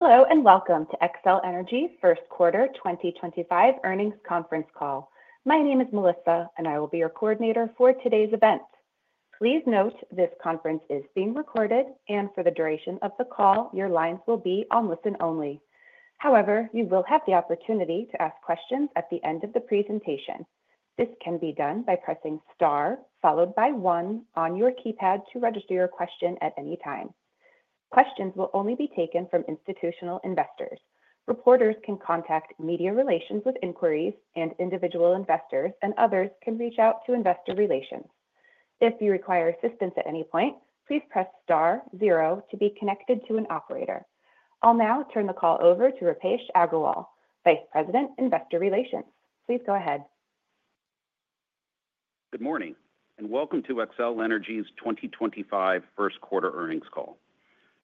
Hello, and welcome to Xcel Energy's first quarter 2025 earnings conference call. My name is Melissa, and I will be your coordinator for today's event. Please note this conference is being recorded, and for the duration of the call, your lines will be on listen only. However, you will have the opportunity to ask questions at the end of the presentation. This can be done by pressing star followed by one on your keypad to register your question at any time. Questions will only be taken from institutional investors. Reporters can contact Media Relations with inquiries, and individual investors and others can reach out to Investor Relations. If you require assistance at any point, please press star zero to be connected to an operator. I'll now turn the call over to Roopesh Aggarwal, Vice President, Investor Relations. Please go ahead. Good morning, and welcome to Xcel Energy's 2025 first quarter earnings call.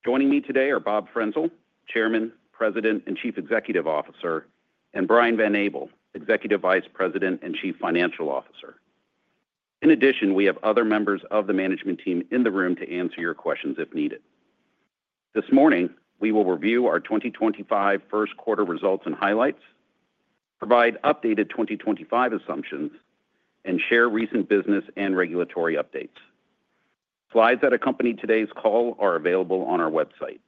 Joining me today are Bob Frenzel, Chairman, President, and Chief Executive Officer, and Brian Van Abel, Executive Vice President and Chief Financial Officer. In addition, we have other members of the management team in the room to answer your questions if needed. This morning, we will review our 2025 first quarter results and highlights, provide updated 2025 assumptions, and share recent business and regulatory updates. Slides that accompany today's call are available on our website.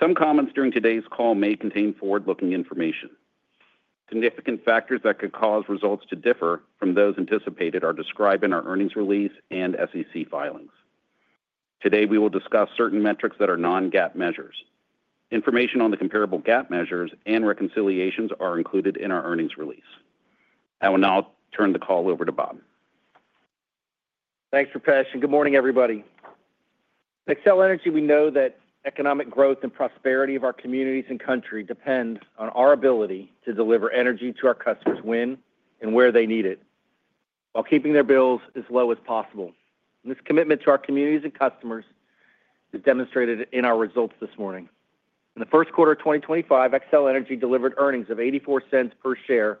Some comments during today's call may contain forward-looking information. Significant factors that could cause results to differ from those anticipated are described in our earnings release and SEC filings. Today, we will discuss certain metrics that are non-GAAP measures. Information on the comparable GAAP measures and reconciliations are included in our earnings release. I will now turn the call over to Bob. Thanks, Roopesh. Good morning, everybody. At Xcel Energy, we know that economic growth and prosperity of our communities and country depend on our ability to deliver energy to our customers when and where they need it, while keeping their bills as low as possible. This commitment to our communities and customers is demonstrated in our results this morning. In the first quarter of 2025, Xcel Energy delivered earnings of $0.84 per share,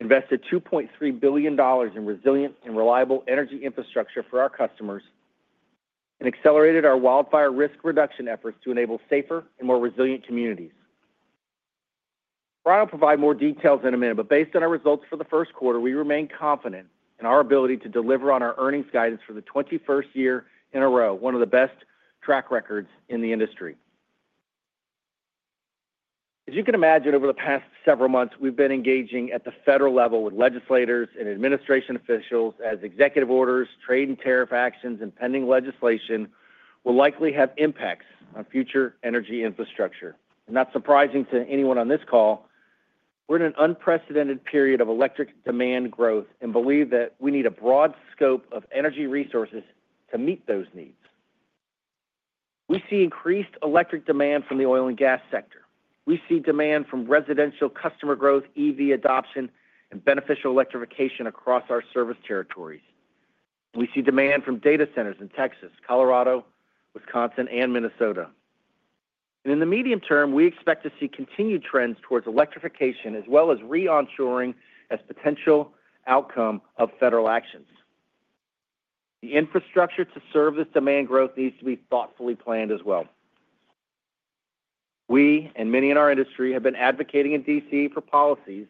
invested $2.3 billion in resilient and reliable energy infrastructure for our customers, and accelerated our wildfire risk reduction efforts to enable safer and more resilient communities. Brian will provide more details in a minute, but based on our results for the first quarter, we remain confident in our ability to deliver on our earnings guidance for the 21st year in a row, one of the best track records in the industry. As you can imagine, over the past several months, we've been engaging at the federal level with legislators and administration officials as executive orders, trade and tariff actions, and pending legislation will likely have impacts on future energy infrastructure. Not surprising to anyone on this call, we're in an unprecedented period of electric demand growth and believe that we need a broad scope of energy resources to meet those needs. We see increased electric demand from the oil and gas sector. We see demand from residential customer growth, EV adoption, and beneficial electrification across our service territories. We see demand from data centers in Texas, Colorado, Wisconsin, and Minnesota. In the medium term, we expect to see continued trends towards electrification as well as re-onshoring as a potential outcome of federal actions. The infrastructure to serve this demand growth needs to be thoughtfully planned as well. We and many in our industry have been advocating in D.C. for policies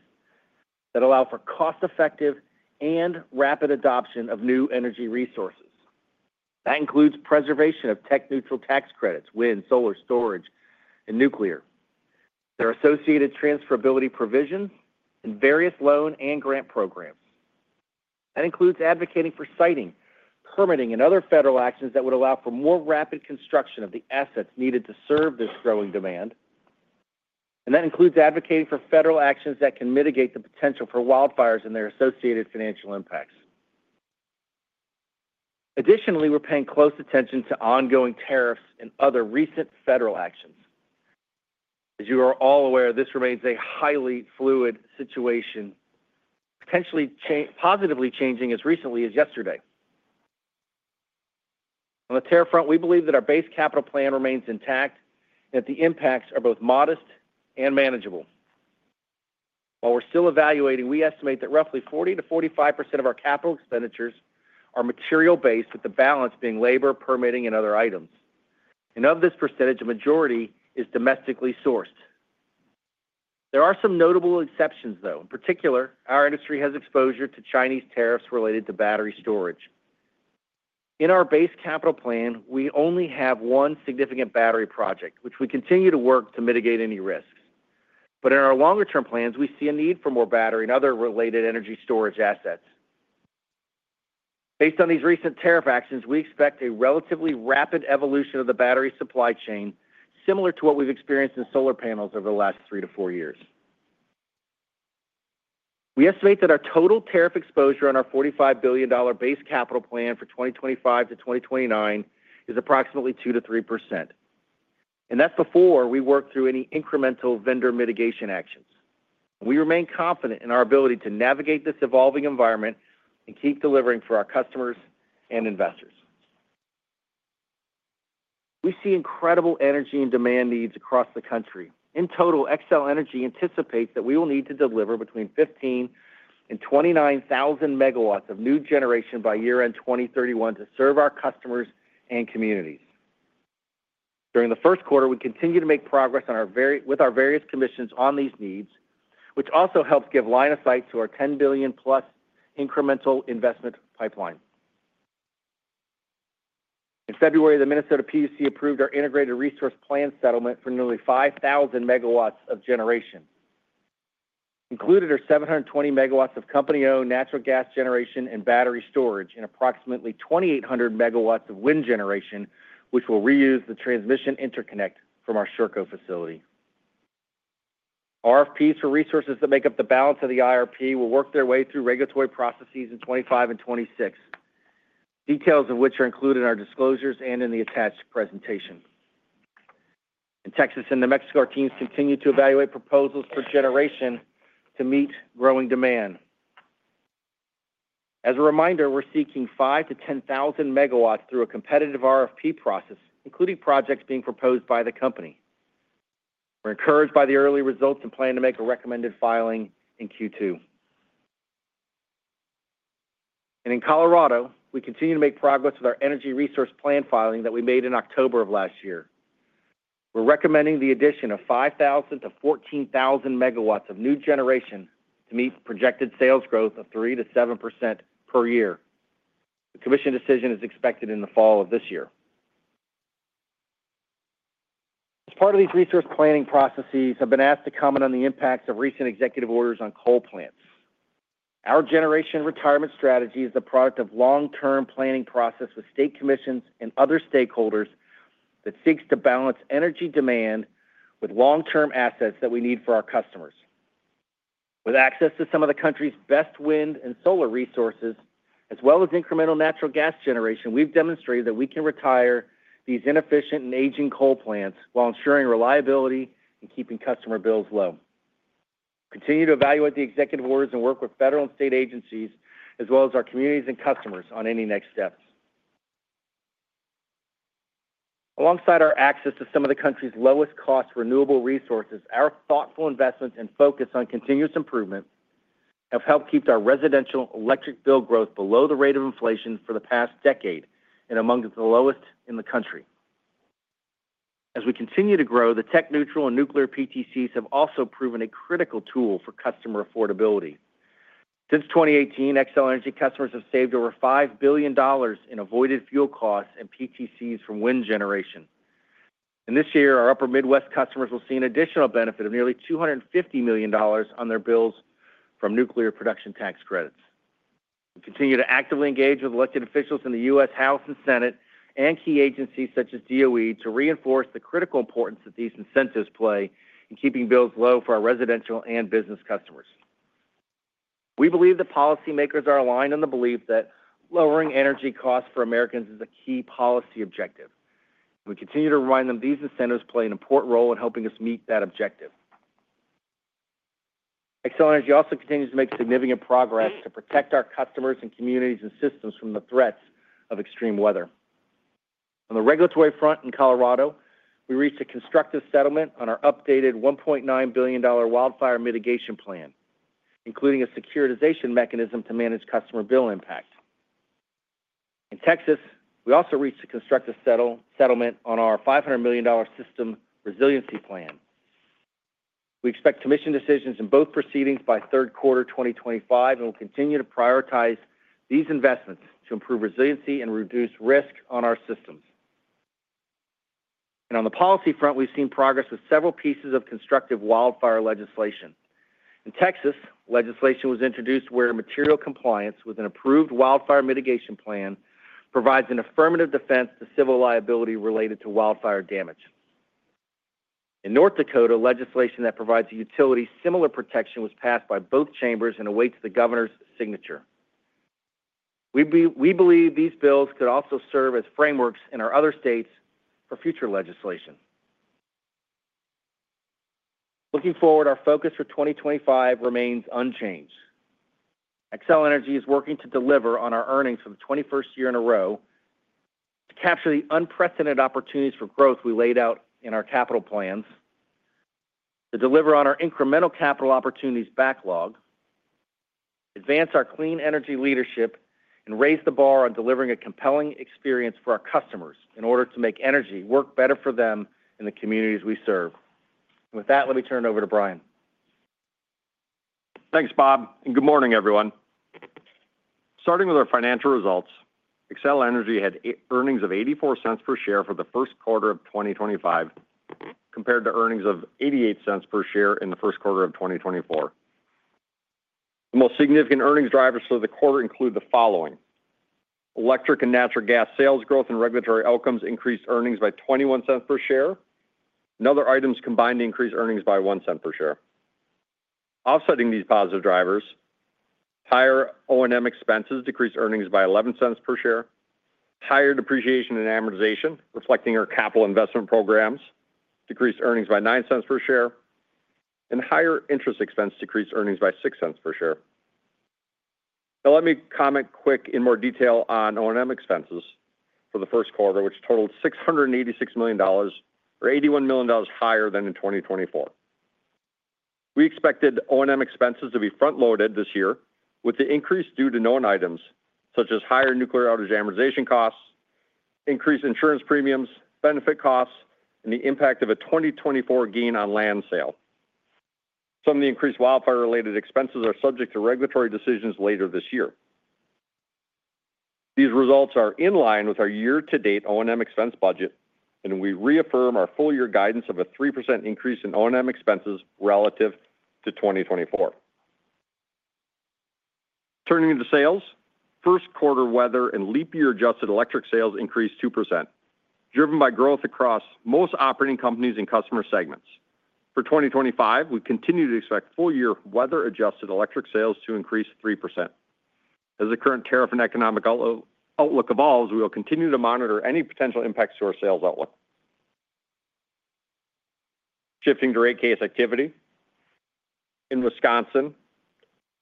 that allow for cost-effective and rapid adoption of new energy resources. That includes preservation of tech-neutral tax credits, wind, solar storage, and nuclear. There are associated transferability provisions and various loan and grant programs. That includes advocating for siting, permitting, and other federal actions that would allow for more rapid construction of the assets needed to serve this growing demand. That includes advocating for federal actions that can mitigate the potential for wildfires and their associated financial impacts. Additionally, we're paying close attention to ongoing tariffs and other recent federal actions. As you are all aware, this remains a highly fluid situation, potentially positively changing as recently as yesterday. On the tariff front, we believe that our base capital plan remains intact and that the impacts are both modest and manageable. While we're still evaluating, we estimate that roughly 40%-45% of our capital expenditures are material-based, with the balance being labor, permitting, and other items. Of this percentage, a majority is domestically sourced. There are some notable exceptions, though. In particular, our industry has exposure to Chinese tariffs related to battery storage. In our base capital plan, we only have one significant battery project, which we continue to work to mitigate any risks. In our longer-term plans, we see a need for more battery and other related energy storage assets. Based on these recent tariff actions, we expect a relatively rapid evolution of the battery supply chain, similar to what we've experienced in solar panels over the last three to four years. We estimate that our total tariff exposure on our $45 billion base capital plan for 2025 to 2029 is approximately 2%-3%. That is before we work through any incremental vendor mitigation actions. We remain confident in our ability to navigate this evolving environment and keep delivering for our customers and investors. We see incredible energy and demand needs across the country. In total, Xcel Energy anticipates that we will need to deliver between 15,000 MW 29,000 MW of new generation by year-end 2031 to serve our customers and communities. During the first quarter, we continue to make progress with our various commissions on these needs, which also helps give line of sight to our $10 billion+ incremental investment pipeline. In February, the Minnesota PUC approved our Integrated Resource Plan settlement for nearly 5,000 MW of generation. Included are 720 MW of company-owned natural gas generation and battery storage and approximately 2,800 MW of wind generation, which will reuse the transmission interconnect from our Sherco facility. RFPs for resources that make up the balance of the IRP will work their way through regulatory processes in 2025 and 2026, details of which are included in our disclosures and in the attached presentation. In Texas and New Mexico, our teams continue to evaluate proposals for generation to meet growing demand. As a reminder, we're seeking 5,000 MW-10,000 MW through a competitive RFP process, including projects being proposed by the company. We're encouraged by the early results and plan to make a recommended filing in Q2. In Colorado, we continue to make progress with our Energy Resource Plan filing that we made in October of last year. We're recommending the addition of 5,000 MW-14,000 MW of new generation to meet projected sales growth of 3%-7% per year. The commission decision is expected in the fall of this year. As part of these resource planning processes, I've been asked to comment on the impacts of recent executive orders on coal plants. Our generation retirement strategy is the product of a long-term planning process with state commissions and other stakeholders that seeks to balance energy demand with long-term assets that we need for our customers. With access to some of the country's best wind and solar resources, as well as incremental natural gas generation, we've demonstrated that we can retire these inefficient and aging coal plants while ensuring reliability and keeping customer bills low. We continue to evaluate the executive orders and work with federal and state agencies, as well as our communities and customers, on any next steps. Alongside our access to some of the country's lowest-cost renewable resources, our thoughtful investments and focus on continuous improvement have helped keep our residential electric bill growth below the rate of inflation for the past decade and among the lowest in the country. As we continue to grow, the tech-neutral and nuclear PTCs have also proven a critical tool for customer affordability. Since 2018, Xcel Energy customers have saved over $5 billion in avoided fuel costs and PTCs from wind generation. This year, our Upper Midwest customers will see an additional benefit of nearly $250 million on their bills from nuclear production tax credits. We continue to actively engage with elected officials in the U.S. House and Senate and key agencies such as DOE to reinforce the critical importance that these incentives play in keeping bills low for our residential and business customers. We believe that policymakers are aligned on the belief that lowering energy costs for Americans is a key policy objective. We continue to remind them these incentives play an important role in helping us meet that objective. Xcel Energy also continues to make significant progress to protect our customers and communities and systems from the threats of extreme weather. On the regulatory front in Colorado, we reached a constructive settlement on our updated $1.9 billion Wildfire Mitigation Plan, including a securitization mechanism to manage customer bill impact. In Texas, we also reached a constructive settlement on our $500 million System Resiliency Plan. We expect commission decisions in both proceedings by third quarter 2025 and will continue to prioritize these investments to improve resiliency and reduce risk on our systems. On the policy front, we have seen progress with several pieces of constructive wildfire legislation. In Texas, legislation was introduced where material compliance with an approved Wildfire Mitigation Plan provides an affirmative defense to civil liability related to wildfire damage. In North Dakota, legislation that provides a utility similar protection was passed by both chambers and awaits the governor's signature. We believe these bills could also serve as frameworks in our other states for future legislation. Looking forward, our focus for 2025 remains unchanged. Xcel Energy is working to deliver on our earnings for the 21st year in a row, to capture the unprecedented opportunities for growth we laid out in our capital plans, to deliver on our incremental capital opportunities backlog, advance our clean energy leadership, and raise the bar on delivering a compelling experience for our customers in order to make energy work better for them in the communities we serve. With that, let me turn it over to Brian. Thanks, Bob. Good morning, everyone. Starting with our financial results, Xcel Energy had earnings of $0.84 per share for the first quarter of 2025, compared to earnings of $0.88 per share in the first quarter of 2024. The most significant earnings drivers for the quarter include the following: electric and natural gas sales growth and regulatory outcomes increased earnings by $0.21 per share. Other items combined increased earnings by $0.01 per share. Offsetting these positive drivers, higher O&M expenses decreased earnings by $0.11 per share. Higher depreciation and amortization, reflecting our capital investment programs, decreased earnings by $0.09 per share. Higher interest expense decreased earnings by $0.06 per share. Now, let me comment quick in more detail on O&M expenses for the first quarter, which totaled $686 million, or $81 million higher than in 2024. We expected O&M expenses to be front-loaded this year, with the increase due to known items such as higher nuclear outage amortization costs, increased insurance premiums, benefit costs, and the impact of a 2024 gain on land sale. Some of the increased wildfire-related expenses are subject to regulatory decisions later this year. These results are in line with our year-to-date O&M expense budget, and we reaffirm our full-year guidance of a 3% increase in O&M expenses relative to 2024. Turning to sales, first-quarter weather and leap-year adjusted electric sales increased 2%, driven by growth across most operating companies and customer segments. For 2025, we continue to expect full-year weather-adjusted electric sales to increase 3%. As the current tariff and economic outlook evolves, we will continue to monitor any potential impacts to our sales outlook. Shifting to rate case activity, in Wisconsin,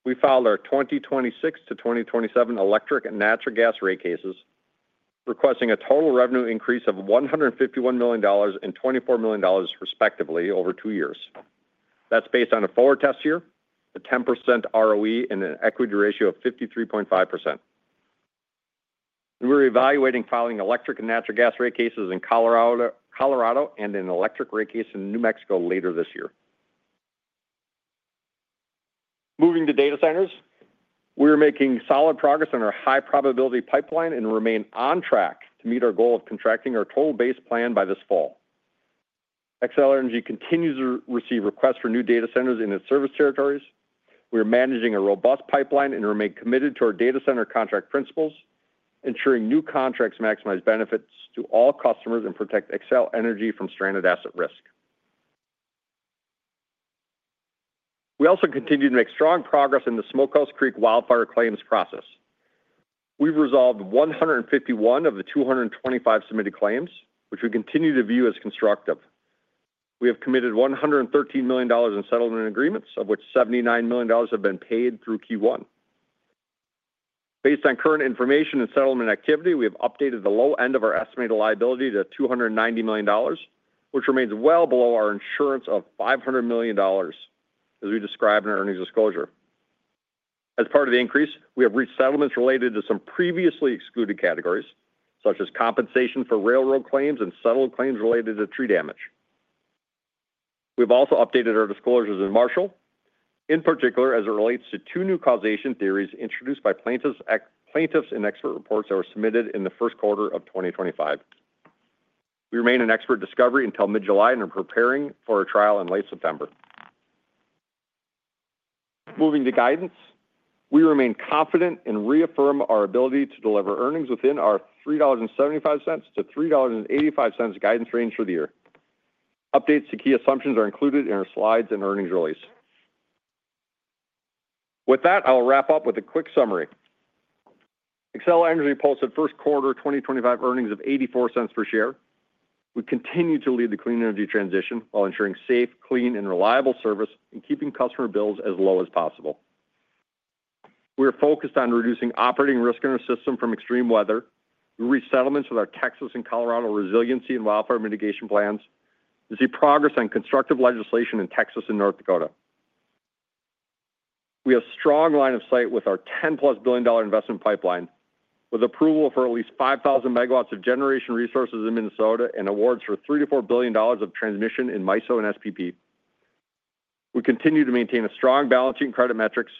we filed our 2026 to 2027 electric and natural gas rate cases, requesting a total revenue increase of $151 million and $24 million, respectively, over two years. That is based on a forward test year, a 10% ROE, and an equity ratio of 53.5%. We are evaluating filing electric and natural gas rate cases in Colorado and an electric rate case in New Mexico later this year. Moving to data centers, we are making solid progress on our high-probability pipeline and remain on track to meet our goal of contracting our total base plan by this fall. Xcel Energy continues to receive requests for new data centers in its service territories. We are managing a robust pipeline and remain committed to our data center contract principles, ensuring new contracts maximize benefits to all customers and protect Xcel Energy from stranded asset risk. We also continue to make strong progress in the Smokehouse Creek wildfire claims process. We have resolved 151 of the 225 submitted claims, which we continue to view as constructive. We have committed $113 million in settlement agreements, of which $79 million have been paid through Q1. Based on current information and settlement activity, we have updated the low end of our estimated liability to $290 million, which remains well below our insurance of $500 million, as we described in our earnings disclosure. As part of the increase, we have reached settlements related to some previously excluded categories, such as compensation for railroad claims and settled claims related to tree damage. We have also updated our disclosures in Marshall, in particular as it relates to two new causation theories introduced by plaintiffs in expert reports that were submitted in the first quarter of 2025. We remain in expert discovery until mid-July and are preparing for a trial in late September. Moving to guidance, we remain confident and reaffirm our ability to deliver earnings within our $3.75-$3.85 guidance range for the year. Updates to key assumptions are included in our slides and earnings release. With that, I'll wrap up with a quick summary. Xcel Energy posted first quarter 2025 earnings of $0.84 per share. We continue to lead the clean energy transition while ensuring safe, clean, and reliable service and keeping customer bills as low as possible. We are focused on reducing operating risk in our system from extreme weather. We reached settlements with our Texas and Colorado resiliency and Wildfire Mitigation Plans. We see progress on constructive legislation in Texas and North Dakota. We have a strong line of sight with our $10+ billion investment pipeline, with approval for at least 5,000 MW of generation resources in Minnesota and awards for $3 billion-$4 billion of transmission in MISO and SPP. We continue to maintain a strong balance sheet and credit metrics,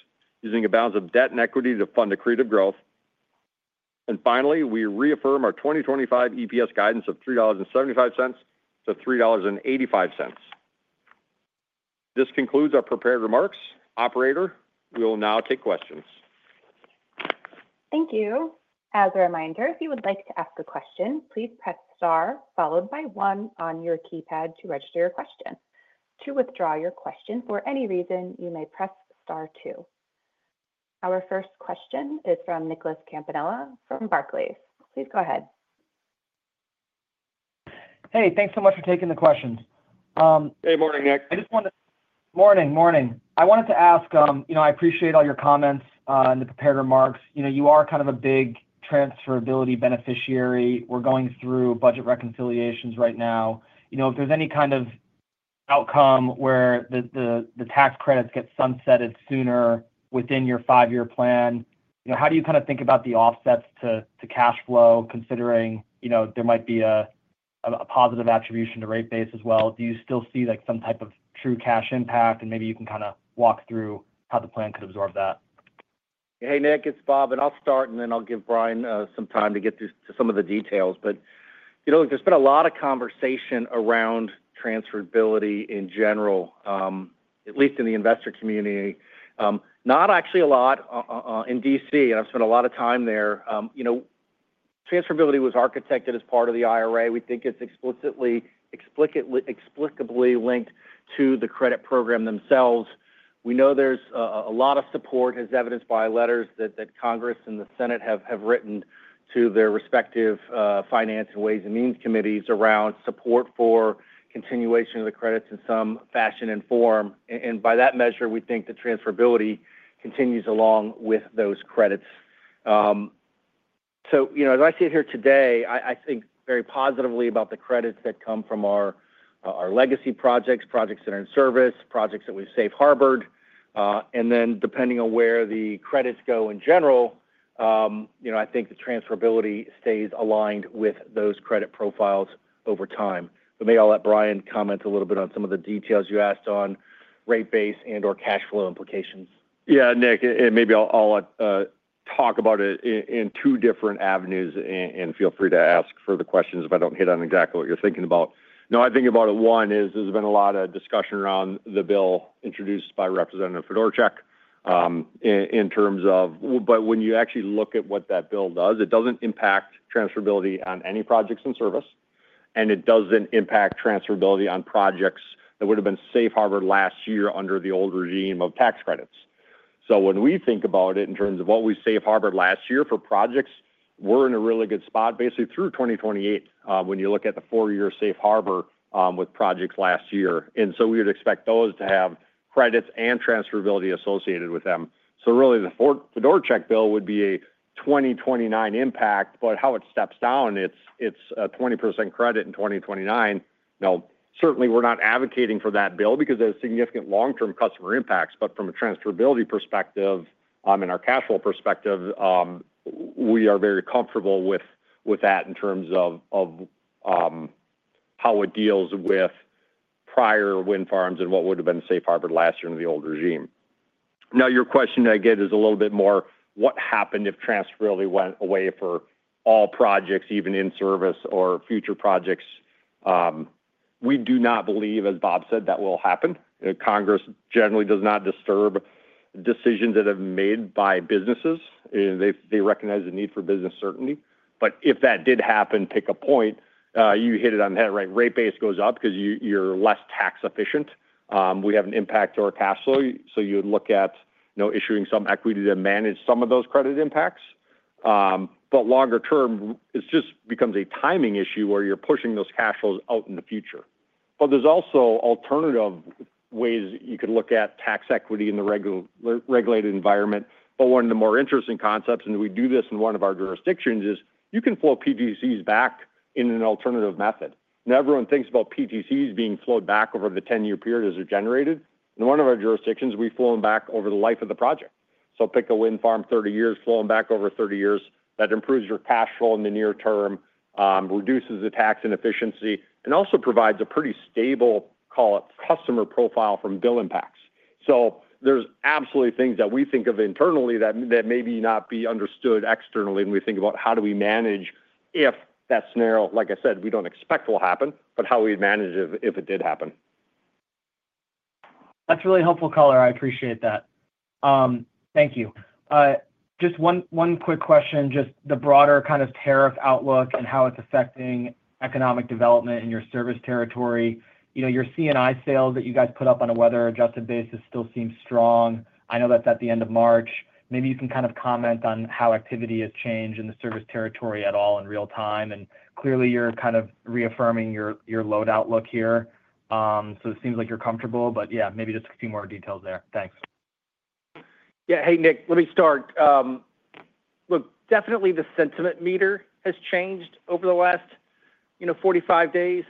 using a balance of debt and equity to fund accretive growth. We reaffirm our 2025 EPS guidance of $3.75-$3.85. This concludes our prepared remarks. Operator, we will now take questions. Thank you. As a reminder, if you would like to ask a question, please press star followed by one on your keypad to register your question. To withdraw your question for any reason, you may press star two. Our first question is from Nicholas Campanella from Barclays. Please go ahead. Hey, thanks so much for taking the question. Hey, morning, Nick. I just wanted to. Morning, morning. I wanted to ask, you know, I appreciate all your comments and the prepared remarks. You know, you are kind of a big transferability beneficiary. We're going through budget reconciliations right now. You know, if there's any kind of outcome where the tax credits get sunsetted sooner within your five-year plan, you know, how do you kind of think about the offsets to cash flow, considering, you know, there might be a positive attribution to rate base as well? Do you still see like some type of true cash impact, and maybe you can kind of walk through how the plan could absorb that? Hey, Nick, it's Bob. I will start, and then I will give Brian some time to get through to some of the details. You know, there's been a lot of conversation around transferability in general, at least in the investor community. Not actually a lot in D.C., and I've spent a lot of time there. You know, transferability was architected as part of the IRA. We think it's explicitly, explicitly, explicably linked to the credit program themselves. We know there's a lot of support, as evidenced by letters that Congress and the Senate have written to their respective Finance and Ways and Means Committees around support for continuation of the credits in some fashion and form. By that measure, we think that transferability continues along with those credits. You know, as I sit here today, I think very positively about the credits that come from our legacy projects, projects that are in service, projects that we've safe harbored. Then, depending on where the credits go in general, you know, I think the transferability stays aligned with those credit profiles over time. Maybe I'll let Brian comment a little bit on some of the details you asked on rate base and/or cash flow implications. Yeah, Nick, and maybe I'll talk about it in two different avenues, and feel free to ask further questions if I do not hit on exactly what you are thinking about. No, I think about it. One is there has been a lot of discussion around the bill introduced by Representative Fedorchak in terms of, but when you actually look at what that bill does, it does not impact transferability on any projects in service, and it does not impact transferability on projects that would have been safe harbored last year under the old regime of tax credits. When we think about it in terms of what we safe harbored last year for projects, we're in a really good spot basically through 2028 when you look at the four-year safe harbor with projects last year. We would expect those to have credits and transferability associated with them. Really, the Fedorchak bill would be a 2029 impact, but how it steps down, it's a 20% credit in 2029. Certainly, we're not advocating for that bill because there's significant long-term customer impacts, but from a transferability perspective and our cash flow perspective, we are very comfortable with that in terms of how it deals with prior wind farms and what would have been safe harbored last year under the old regime. Now, your question I get is a little bit more, what happens if transferability went away for all projects, even in service or future projects? We do not believe, as Bob said, that will happen. Congress generally does not disturb decisions that have been made by businesses. They recognize the need for business certainty. If that did happen, pick a point, you hit it on the head, right? Rate base goes up because you're less tax efficient. We have an impact to our cash flow. You would look at, you know, issuing some equity to manage some of those credit impacts. Longer term, it just becomes a timing issue where you're pushing those cash flows out in the future. There are also alternative ways you could look at tax equity in the regulated environment. One of the more interesting concepts, and we do this in one of our jurisdictions, is you can flow PTCs back in an alternative method. Now, everyone thinks about PTCs being flowed back over the 10-year period as they're generated. In one of our jurisdictions, we've flown back over the life of the project. Pick a wind farm, 30 years, flow them back over 30 years. That improves your cash flow in the near term, reduces the tax inefficiency, and also provides a pretty stable, call it customer profile from bill impacts. There are absolutely things that we think of internally that maybe not be understood externally when we think about how we manage if that scenario, like I said, we don't expect will happen, but how we manage it if it did happen. That's really helpful, color. I appreciate that. Thank you. Just one quick question, just the broader kind of tariff outlook and how it's affecting economic development in your service territory. You know, your C&I sales that you guys put up on a weather-adjusted basis still seem strong. I know that's at the end of March. Maybe you can kind of comment on how activity has changed in the service territory at all in real time. Clearly, you're kind of reaffirming your load outlook here. It seems like you're comfortable, but yeah, maybe just a few more details there. Thanks. Yeah. Hey, Nick, let me start. Look, definitely the sentiment meter has changed over the last, you know, 45 days.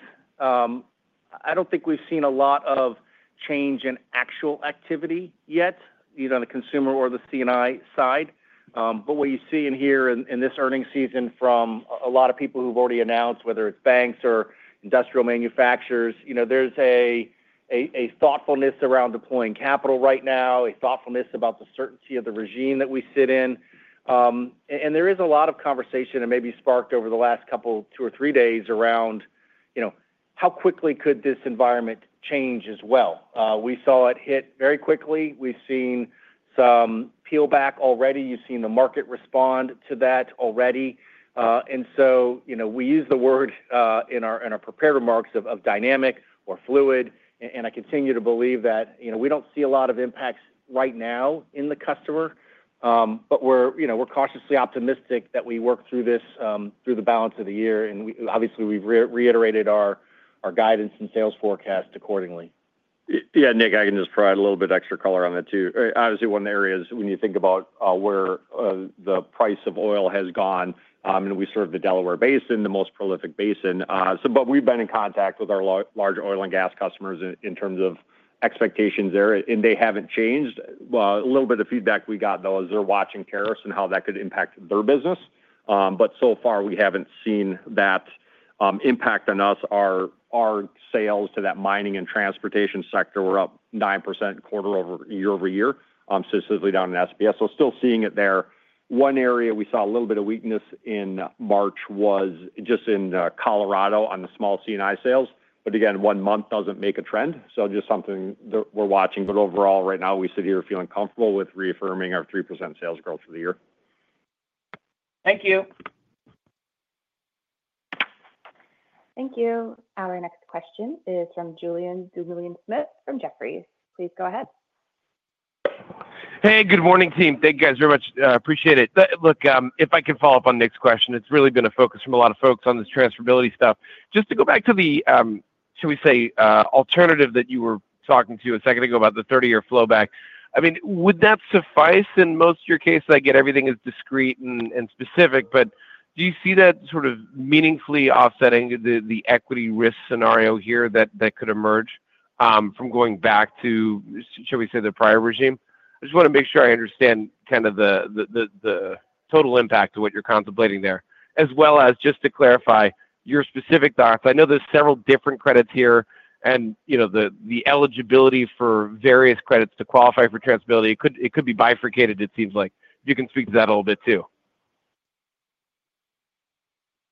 I do not think we have seen a lot of change in actual activity yet, either on the consumer or the C&I side. What you see and hear in this earnings season from a lot of people who have already announced, whether it is banks or industrial manufacturers, you know, there is a thoughtfulness around deploying capital right now, a thoughtfulness about the certainty of the regime that we sit in. There is a lot of conversation and maybe sparked over the last couple, two or three days around, you know, how quickly could this environment change as well? We saw it hit very quickly. We have seen some peelback already. You have seen the market respond to that already. You know, we use the word in our prepared remarks of dynamic or fluid. I continue to believe that, you know, we do not see a lot of impacts right now in the customer, but we are, you know, cautiously optimistic that we work through this through the balance of the year. Obviously, we have reiterated our guidance and sales forecast accordingly. Yeah, Nick, I can just provide a little bit extra color on that too. Obviously, one of the areas when you think about where the price of oil has gone, and we serve the Delaware Basin, the most prolific basin. We've been in contact with our large oil and gas customers in terms of expectations there, and they haven't changed. A little bit of feedback we got, though, is they're watching tariffs and how that could impact their business. So far, we haven't seen that impact on us. Our sales to that mining and transportation sector were up 9% quarter over year-over-year, so it's certainly down in SPS. Still seeing it there. One area we saw a little bit of weakness in March was just in Colorado on the small C&I sales. Again, one month doesn't make a trend. Just something that we're watching. Overall, right now, we sit here feeling comfortable with reaffirming our 3% sales growth for the year. Thank you. Thank you. Our next question is from Julien Dumoulin-Smith from Jefferies. Please go ahead. Hey, good morning, team. Thank you guys very much. Appreciate it. Look, if I can follow up on Nick's question, it's really been a focus from a lot of folks on this transferability stuff. Just to go back to the, shall we say, alternative that you were talking to a second ago about the 30-year flowback, I mean, would that suffice in most of your case? I get everything is discreet and specific, but do you see that sort of meaningfully offsetting the equity risk scenario here that could emerge from going back to, shall we say, the prior regime? I just want to make sure I understand kind of the total impact of what you're contemplating there, as well as just to clarify your specific thoughts. I know there's several different credits here, and, you know, the eligibility for various credits to qualify for transferability, it could be bifurcated, it seems like. If you can speak to that a little bit too.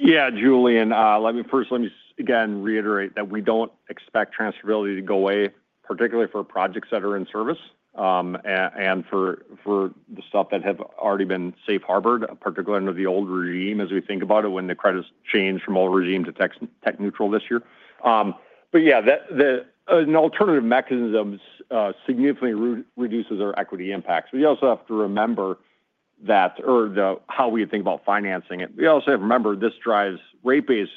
Yeah, Julien, let me first, let me again reiterate that we do not expect transferability to go away, particularly for projects that are in service and for the stuff that have already been safe harbored, particularly under the old regime as we think about it when the credits change from old regime to tech neutral this year. Yeah, an alternative mechanism significantly reduces our equity impacts. We also have to remember that, or how we think about financing it. We also have to remember this drives rate base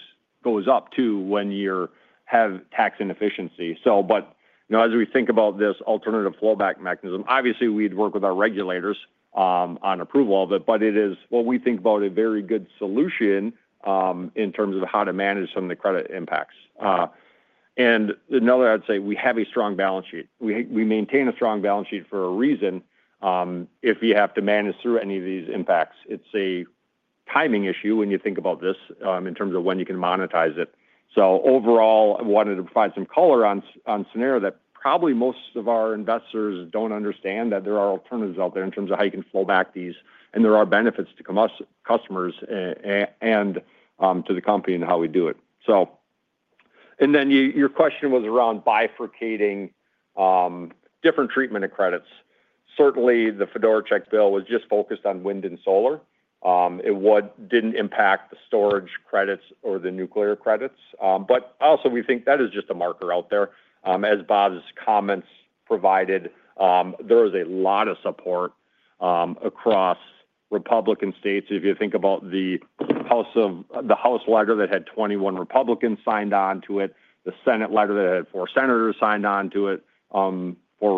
goes up too when you have tax inefficiency. As we think about this alternative flowback mechanism, obviously we would work with our regulators on approval of it, but it is, we think about a very good solution in terms of how to manage some of the credit impacts. Another, I would say we have a strong balance sheet. We maintain a strong balance sheet for a reason. If we have to manage through any of these impacts, it's a timing issue when you think about this in terms of when you can monetize it. Overall, I wanted to provide some color on the scenario that probably most of our investors don't understand, that there are alternatives out there in terms of how you can flow back these, and there are benefits to customers and to the company and how we do it. Your question was around bifurcating different treatment of credits. Certainly, the Fedorchak bill was just focused on wind and solar. It didn't impact the storage credits or the nuclear credits. Also, we think that is just a marker out there. As Bob's comments provided, there is a lot of support across Republican states. If you think about the House letter that had 21 Republicans signed on to it, the Senate letter that had four senators signed on to it, four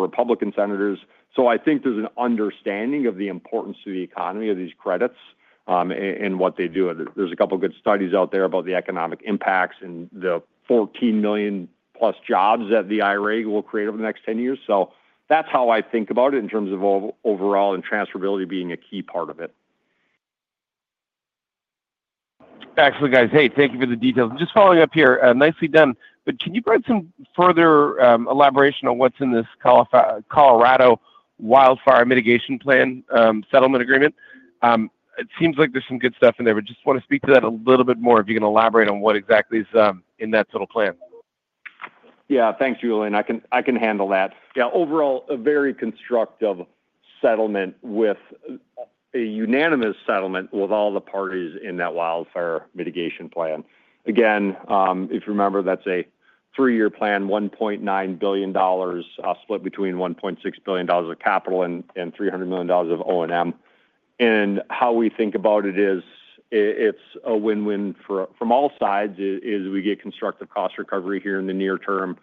Republican senators. I think there's an understanding of the importance to the economy of these credits and what they do. There's a couple of good studies out there about the economic impacts and the 14 million+ jobs that the IRA will create over the next 10 years. That's how I think about it in terms of overall and transferability being a key part of it. Excellent, guys. Hey, thank you for the details. I'm just following up here. Nicely done. Can you provide some further elaboration on what's in this Colorado Wildfire Mitigation Plan settlement agreement? It seems like there's some good stuff in there, but just want to speak to that a little bit more if you can elaborate on what exactly is in that total plan. Yeah, thanks, Julien. I can handle that. Yeah, overall, a very constructive settlement with a unanimous settlement with all the parties in that Wildfire Mitigation Plan. Again, if you remember, that's a three-year plan, $1.9 billion split between $1.6 billion of capital and $300 million of O&M. How we think about it is it's a win-win from all sides is we get constructive cost recovery here in the near term.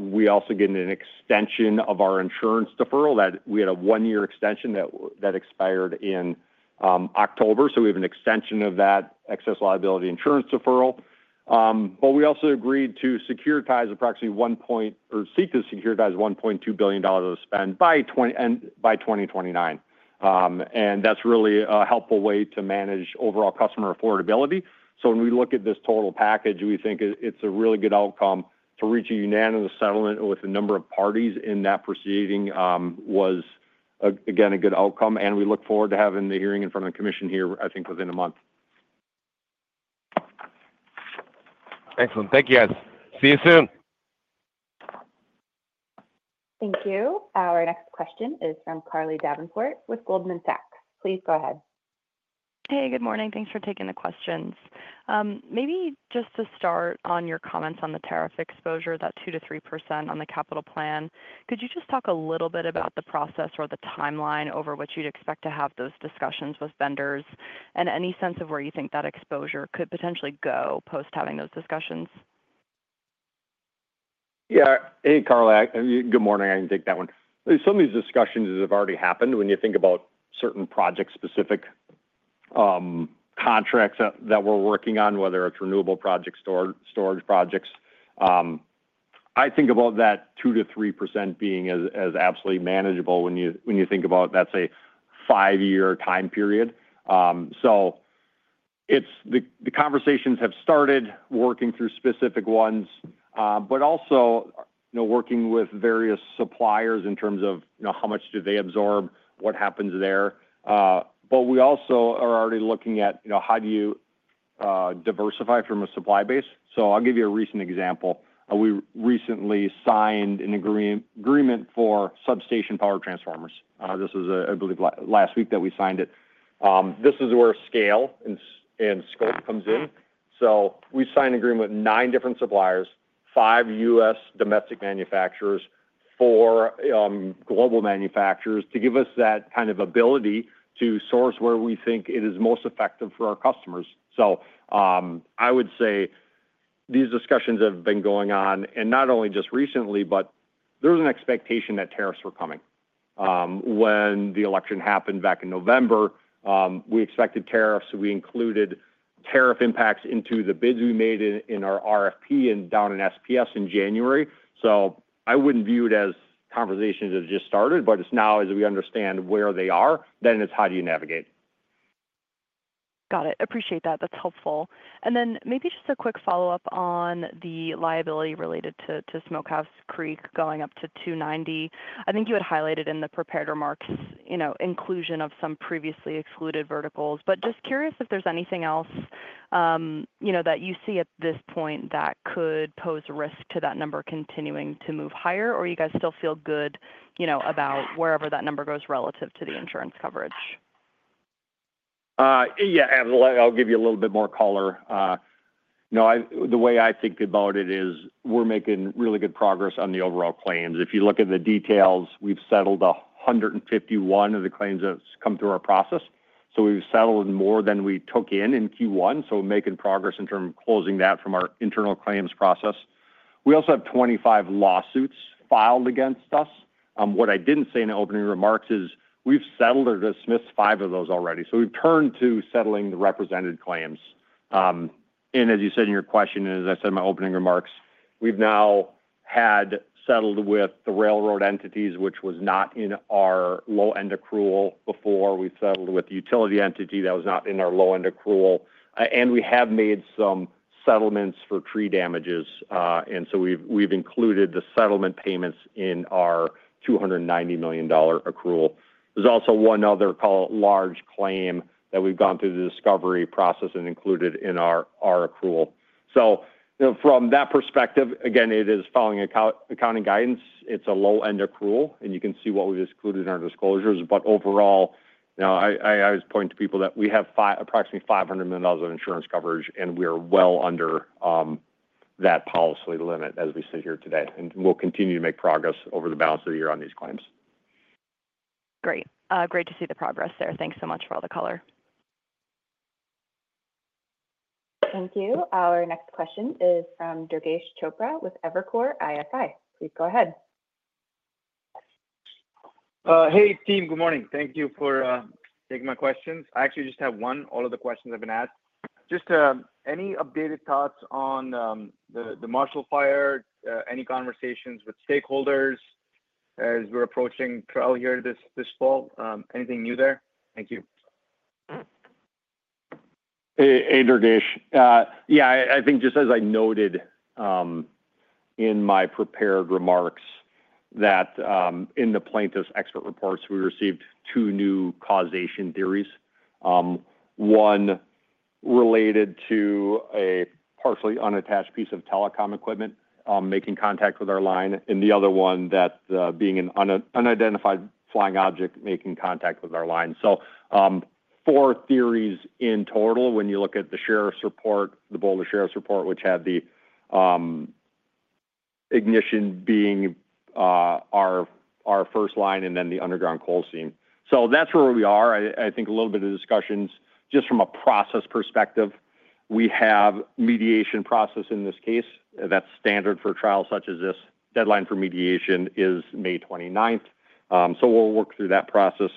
We also get an extension of our insurance deferral that we had, a one-year extension that expired in October. We have an extension of that excess liability insurance deferral. We also agreed to securitize approximately $1.0 billion or seek to securitize $1.2 billion of spend by 2029. That is really a helpful way to manage overall customer affordability. When we look at this total package, we think it is a really good outcome to reach a unanimous settlement with a number of parties in that proceeding, which was, again, a good outcome. We look forward to having the hearing in front of the commission here, I think, within a month. Excellent. Thank you, guys. See you soon. Thank you. Our next question is from Carly Davenport with Goldman Sachs. Please go ahead. Hey, good morning. Thanks for taking the questions. Maybe just to start on your comments on the tariff exposure, that 2%-3% on the capital plan, could you just talk a little bit about the process or the timeline over which you'd expect to have those discussions with vendors and any sense of where you think that exposure could potentially go post having those discussions? Yeah. Hey, Carla. Good morning. I can take that one. Some of these discussions have already happened when you think about certain project-specific contracts that we're working on, whether it's renewable projects, storage projects. I think about that 2%-3% being as absolutely manageable when you think about that's a five-year time period. The conversations have started working through specific ones, but also, you know, working with various suppliers in terms of, you know, how much do they absorb, what happens there. We also are already looking at, you know, how do you diversify from a supply base. I'll give you a recent example. We recently signed an agreement for substation power transformers. This was, I believe, last week that we signed it. This is where scale and scope comes in. We signed an agreement with nine different suppliers, five U.S. domestic manufacturers, four global manufacturers to give us that kind of ability to source where we think it is most effective for our customers. I would say these discussions have been going on, and not only just recently, but there was an expectation that tariffs were coming. When the election happened back in November, we expected tariffs. We included tariff impacts into the bids we made in our RFP and down in SPS in January. I would not view it as conversations that have just started, but it is now, as we understand where they are, then it is how do you navigate. Got it. Appreciate that. That's helpful. Maybe just a quick follow-up on the liability related to Smokehouse Creek going up to $290. I think you had highlighted in the prepared remarks, you know, inclusion of some previously excluded verticals. Just curious if there's anything else, you know, that you see at this point that could pose a risk to that number continuing to move higher, or you guys still feel good, you know, about wherever that number goes relative to the insurance coverage. Yeah. I'll give you a little bit more color. You know, the way I think about it is we're making really good progress on the overall claims. If you look at the details, we've settled 151 of the claims that have come through our process. We've settled more than we took in in Q1. We're making progress in terms of closing that from our internal claims process. We also have 25 lawsuits filed against us. What I didn't say in the opening remarks is we've settled or dismissed five of those already. We've turned to settling the represented claims. As you said in your question, and as I said in my opening remarks, we've now had settled with the railroad entities, which was not in our low-end accrual before. We've settled with the utility entity that was not in our low-end accrual. We have made some settlements for tree damages. We have included the settlement payments in our $290 million accrual. There is also one other large claim that we have gone through the discovery process and included in our accrual. From that perspective, again, it is following accounting guidance. It is a low-end accrual, and you can see what we have excluded in our disclosures. Overall, you know, I always point to people that we have approximately $500 million of insurance coverage, and we are well under that policy limit as we sit here today. We will continue to make progress over the balance of the year on these claims. Great. Great to see the progress there. Thanks so much for all the color. Thank you. Our next question is from Durgesh Chopra with Evercore ISI. Please go ahead. Hey, team. Good morning. Thank you for taking my questions. I actually just have one. All of the questions have been asked. Just any updated thoughts on the Marshall Fire, any conversations with stakeholders as we are approaching trial here this fall? Anything new there? Thank you. Hey, Durgesh. Yeah, I think just as I noted in my prepared remarks that in the plaintiff's expert reports, we received two new causation theories. One related to a partially unattached piece of telecom equipment making contact with our line, and the other one that being an unidentified flying object making contact with our line. Four theories in total when you look at the sheriff's report, the Boulder Sheriff's Report, which had the ignition being our first line and then the underground coal seam. That is where we are. I think a little bit of discussions just from a process perspective. We have mediation process in this case. That is standard for trials such as this. Deadline for mediation is May 29th. We will work through that process.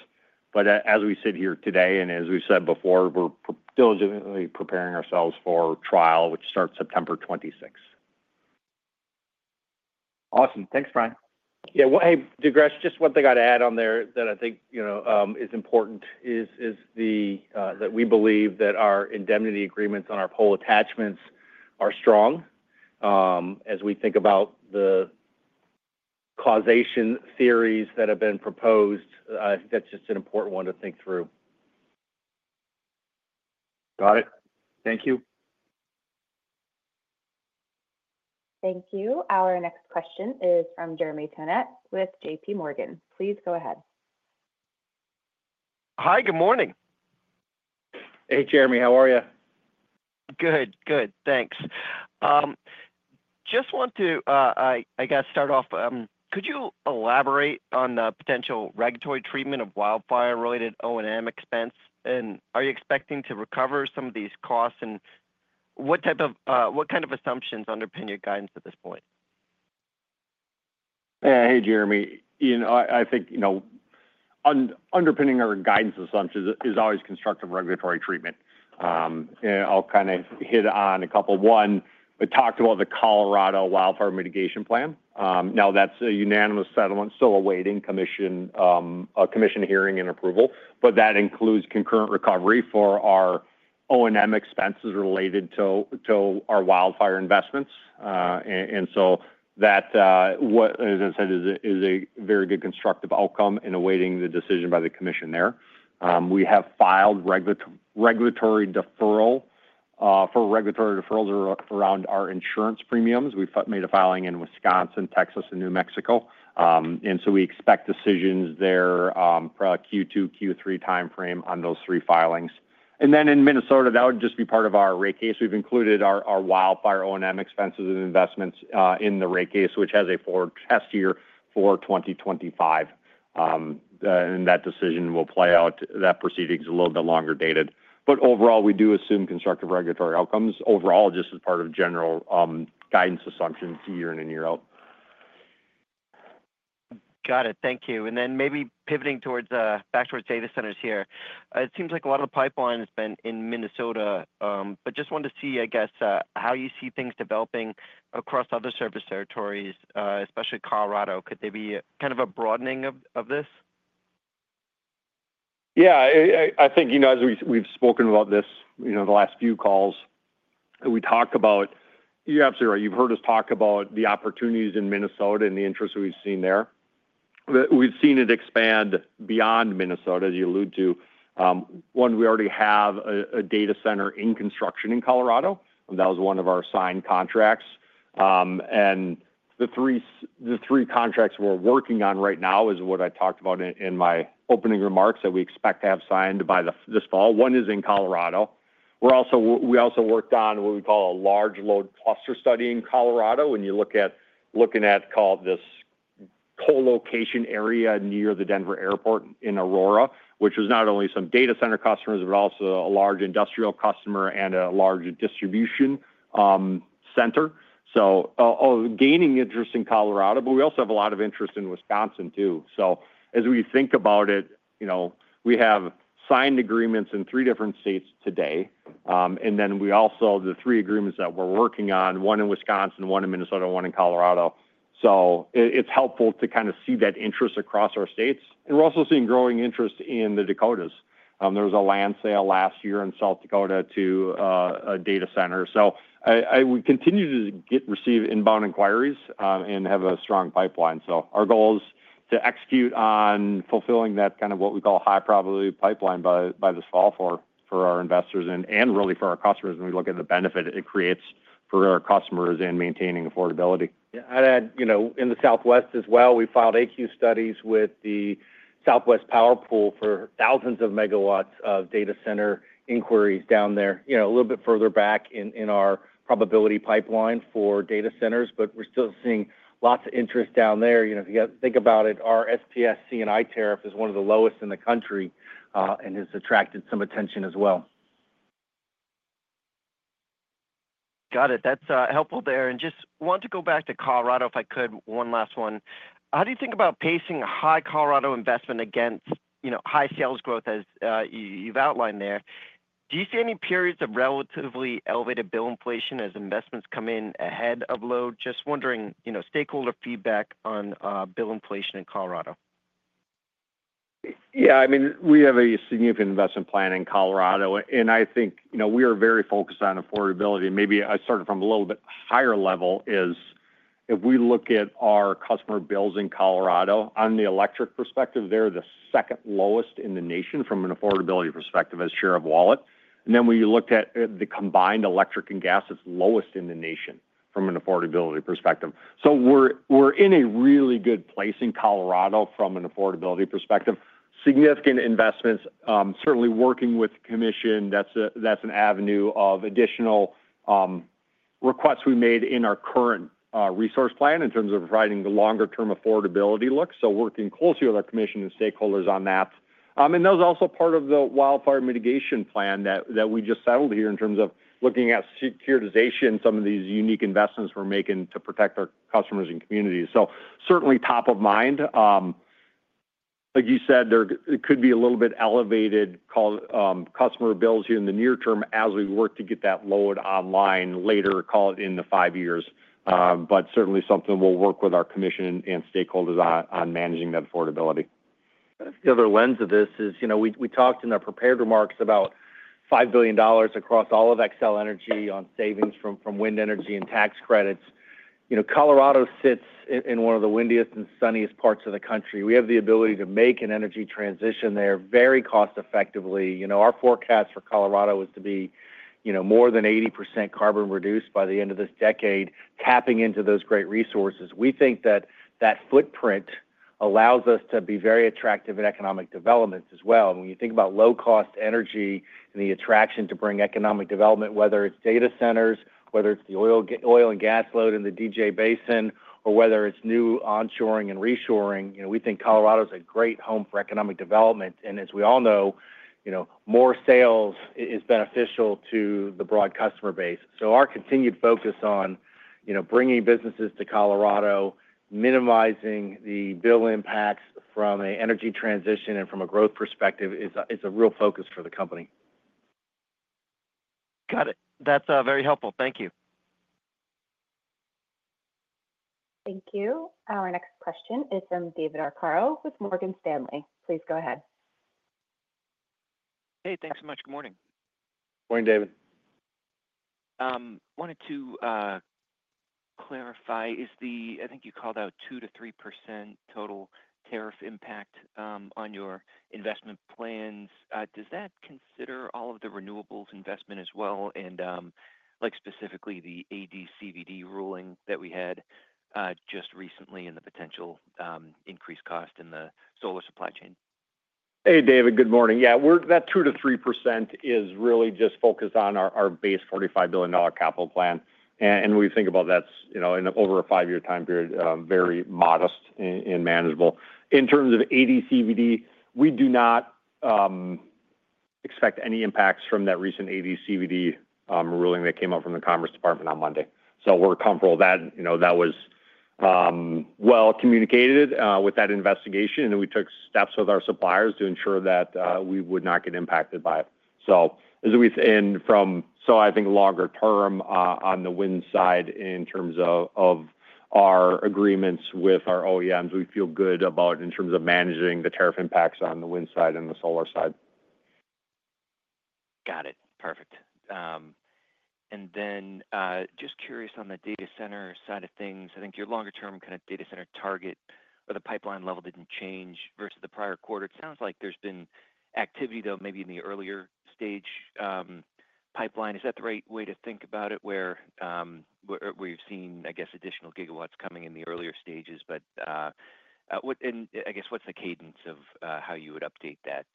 As we sit here today and as we have said before, we are diligently preparing ourselves for trial, which starts September 26th. Awesome. Thanks, Brian. Yeah. Hey, Durgesh, just one thing I'd add on there that I think, you know, is important is that we believe that our indemnity agreements on our pole attachments are strong. As we think about the causation theories that have been proposed, I think that's just an important one to think through. Got it. Thank you. Thank you. Our next question is from Jeremy Tonet with JPMorgan. Please go ahead. Hi, good morning. Hey, Jeremy. How are you? Good. Good. Thanks. Just want to, I guess, start off, could you elaborate on the potential regulatory treatment of wildfire-related O&M expense? Are you expecting to recover some of these costs? What type of, what kind of assumptions underpin your guidance at this point? Hey, Jeremy. You know, I think, you know, underpinning our guidance assumptions is always constructive regulatory treatment. I'll kind of hit on a couple. One, we talked about the Colorado Wildfire Mitigation Plan. Now, that's a unanimous settlement still awaiting commission hearing and approval, but that includes concurrent recovery for our O&M expenses related to our wildfire investments. As I said, that is a very good constructive outcome in awaiting the decision by the commission there. We have filed regulatory deferral for regulatory deferrals around our insurance premiums. We've made a filing in Wisconsin, Texas, and New Mexico. We expect decisions there for a Q2, Q3 timeframe on those three filings. In Minnesota, that would just be part of our rate case. We've included our wildfire O&M expenses and investments in the rate case, which has a forecast year for 2025. That decision will play out. That proceeding is a little bit longer dated. Overall, we do assume constructive regulatory outcomes overall just as part of general guidance assumptions year in and year out. Got it. Thank you. Maybe pivoting back towards data centers here. It seems like a lot of the pipeline has been in Minnesota, but just wanted to see, I guess, how you see things developing across other service territories, especially Colorado. Could there be kind of a broadening of this? Yeah. I think, you know, as we've spoken about this, you know, the last few calls, we talked about, you're absolutely right. You've heard us talk about the opportunities in Minnesota and the interest we've seen there. We've seen it expand beyond Minnesota, as you alluded to. One, we already have a data center in construction in Colorado. That was one of our signed contracts. And the three contracts we're working on right now is what I talked about in my opening remarks that we expect to have signed by this fall. One is in Colorado. We also worked on what we call a large load cluster study in Colorado. When you look at looking at, call it this co-location area near the Denver Airport in Aurora, which was not only some data center customers, but also a large industrial customer and a large distribution center. Gaining interest in Colorado, but we also have a lot of interest in Wisconsin too. As we think about it, you know, we have signed agreements in three different states today. We also have the three agreements that we're working on, one in Wisconsin, one in Minnesota, one in Colorado. It is helpful to kind of see that interest across our states. We are also seeing growing interest in the Dakotas. There was a land sale last year in South Dakota to a data center. We continue to receive inbound inquiries and have a strong pipeline. Our goal is to execute on fulfilling that kind of what we call high probability pipeline by this fall for our investors and really for our customers. We look at the benefit it creates for our customers and maintaining affordability. Yeah. I'd add, you know, in the Southwest as well, we filed queue studies with the Southwest Power Pool for thousands of megawatts of data center inquiries down there, you know, a little bit further back in our probability pipeline for data centers, but we're still seeing lots of interest down there. You know, if you think about it, our SPS C&I tariff is one of the lowest in the country and has attracted some attention as well. Got it. That's helpful there. Just want to go back to Colorado if I could, one last one. How do you think about pacing a high Colorado investment against, you know, high sales growth as you've outlined there? Do you see any periods of relatively elevated bill inflation as investments come in ahead of load? Just wondering, you know, stakeholder feedback on bill inflation in Colorado. Yeah. I mean, we have a significant investment plan in Colorado. And I think, you know, we are very focused on affordability. Maybe I started from a little bit higher level is if we look at our customer bills in Colorado, on the electric perspective, they're the second lowest in the nation from an affordability perspective as share of wallet. And then when you looked at the combined electric and gas, it's lowest in the nation from an affordability perspective. So we're in a really good place in Colorado from an affordability perspective. Significant investments, certainly working with the commission. That's an avenue of additional requests we made in our current resource plan in terms of providing the longer-term affordability look. So working closely with our commission and stakeholders on that. That was also part of the Wildfire Mitigation Plan that we just settled here in terms of looking at securitization and some of these unique investments we are making to protect our customers and communities. Certainly top of mind. Like you said, there could be a little bit elevated customer bills here in the near term as we work to get that load online later, call it in the five years. Certainly something we will work with our commission and stakeholders on managing that affordability. The other lens of this is, you know, we talked in our prepared remarks about $5 billion across all of Xcel Energy on savings from wind energy and tax credits. Colorado sits in one of the windiest and sunniest parts of the country. We have the ability to make an energy transition there very cost-effectively. You know, our forecast for Colorado is to be, you know, more than 80% carbon reduced by the end of this decade, tapping into those great resources. We think that that footprint allows us to be very attractive in economic development as well. When you think about low-cost energy and the attraction to bring economic development, whether it's data centers, whether it's the oil and gas load in the DJ Basin, or whether it's new onshoring and reshoring, you know, we think Colorado is a great home for economic development. As we all know, you know, more sales is beneficial to the broad customer base. Our continued focus on, you know, bringing businesses to Colorado, minimizing the bill impacts from an energy transition and from a growth perspective is a real focus for the company. Got it. That's very helpful. Thank you. Thank you. Our next question is from David Arcaro with Morgan Stanley. Please go ahead. Hey, thanks so much. Good morning. Morning, David. Wanted to clarify, is the, I think you called out 2%-3% total tariff impact on your investment plans. Does that consider all of the renewables investment as well? Like specifically the ADCVD ruling that we had just recently and the potential increased cost in the solar supply chain? Hey, David, good morning. Yeah, that 2%-3% is really just focused on our base $45 billion capital plan. We think about that as, you know, in over a five-year time period, very modest and manageable. In terms of ADCVD, we do not expect any impacts from that recent ADCVD ruling that came out from the Commerce Department on Monday. We're comfortable with that. You know, that was well communicated with that investigation. We took steps with our suppliers to ensure that we would not get impacted by it. As we think from, I think longer term on the wind side in terms of our agreements with our OEMs, we feel good about managing the tariff impacts on the wind side and the solar side. Got it. Perfect. Just curious on the data center side of things. I think your longer-term kind of data center target or the pipeline level did not change versus the prior quarter. It sounds like there has been activity, though, maybe in the earlier stage pipeline. Is that the right way to think about it where we have seen, I guess, additional gigawatts coming in the earlier stages? What, and I guess what is the cadence of how you would update that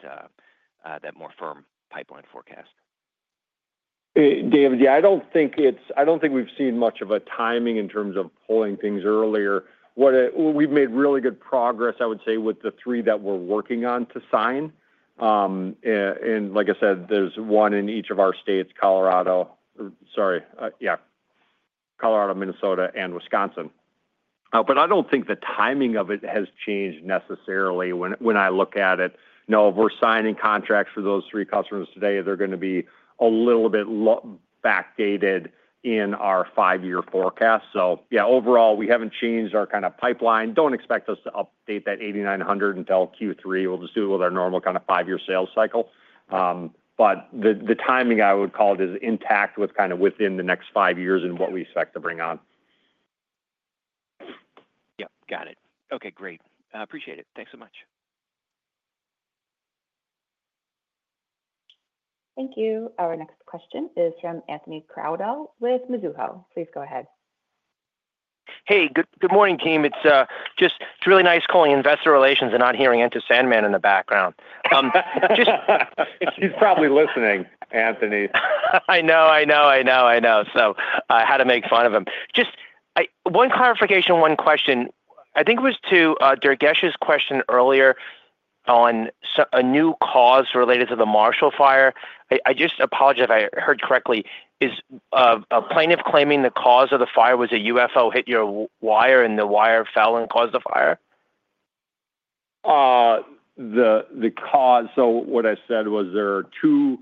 more firm pipeline forecast? David, yeah, I don't think it's, I don't think we've seen much of a timing in terms of pulling things earlier. What we've made really good progress, I would say, with the three that we're working on to sign. Like I said, there's one in each of our states, Colorado, sorry, yeah, Colorado, Minnesota, and Wisconsin. I don't think the timing of it has changed necessarily when I look at it. No, we're signing contracts for those three customers today. They're going to be a little bit backdated in our five-year forecast. Yeah, overall, we haven't changed our kind of pipeline. Don't expect us to update that 8,900 until Q3. We'll just do it with our normal kind of five-year sales cycle. The timing, I would call it, is intact with kind of within the next five years and what we expect to bring on. Yeah. Got it. Okay. Great. Appreciate it. Thanks so much. Thank you. Our next question is from Anthony Crowdell with Mizuho. Please go ahead. Hey, good morning, team. It's just really nice calling investor relations and not hearing Andi Sandman in the background. She's probably listening, Anthony. I know, I know. I had to make fun of him. Just one clarification, one question. I think it was to Durgesh's question earlier on a new cause related to the Marshall Fire. I just apologize if I heard correctly. Is a plaintiff claiming the cause of the fire was a UFO hit your wire and the wire fell and caused the fire? The cause, what I said was there are two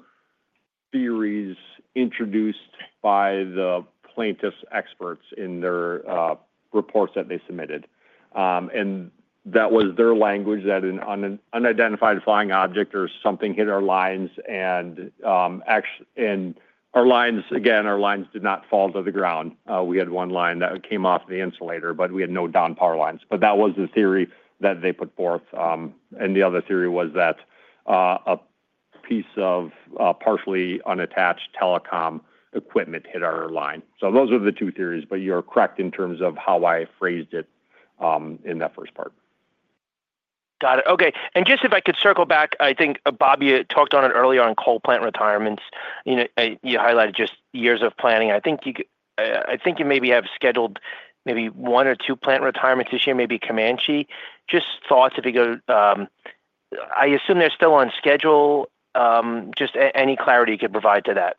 theories introduced by the plaintiff's experts in their reports that they submitted. That was their language that an unidentified flying object or something hit our lines. Our lines, again, our lines did not fall to the ground. We had one line that came off the insulator, but we had no down power lines. That was the theory that they put forth. The other theory was that a piece of partially unattached telecom equipment hit our line. Those are the two theories, but you're correct in terms of how I phrased it in that first part. Got it. Okay. If I could circle back, I think Bob talked on it earlier on coal plant retirements. You know, you highlighted just years of planning. I think you maybe have scheduled maybe one or two plant retirements this year, maybe Comanche. Just thoughts if you go, I assume they're still on schedule. Just any clarity you could provide to that.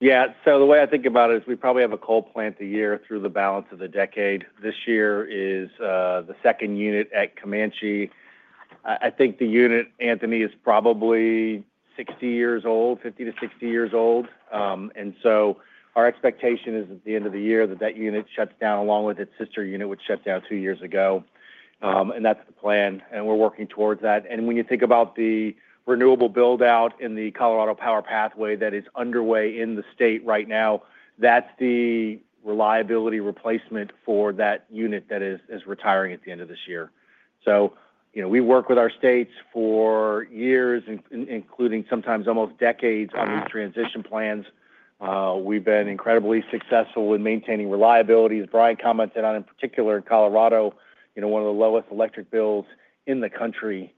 Yeah. The way I think about it is we probably have a coal plant a year through the balance of the decade. This year is the second unit at Comanche. I think the unit, Anthony, is probably 60 years old, 50 to 60 years old. Our expectation is at the end of the year that that unit shuts down along with its sister unit, which shut down two years ago. That is the plan. We are working towards that. When you think about the renewable buildout in the Colorado Power Pathway that is underway in the state right now, that is the reliability replacement for that unit that is retiring at the end of this year. You know, we work with our states for years, including sometimes almost decades on these transition plans. We have been incredibly successful in maintaining reliability. As Brian commented on in particular in Colorado, you know, one of the lowest electric bills in the country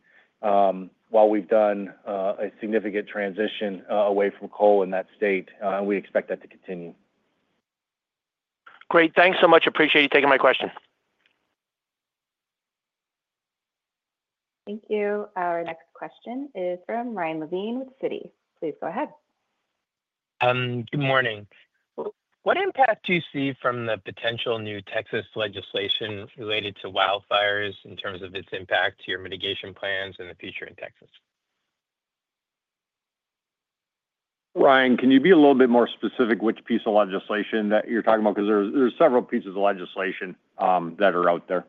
while we've done a significant transition away from coal in that state. We expect that to continue. Great. Thanks so much. Appreciate you taking my question. Thank you. Our next question is from Ryan Levine with Citi. Please go ahead. Good morning. What impact do you see from the potential new Texas legislation related to wildfires in terms of its impact to your mitigation plans and the future in Texas? Ryan, can you be a little bit more specific which piece of legislation that you're talking about? Because there are several pieces of legislation that are out there.